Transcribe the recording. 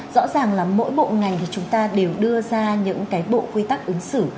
rõ ràng là mỗi bộ ngành thì chúng ta đều đưa ra những cái bộ quy tắc ứng xử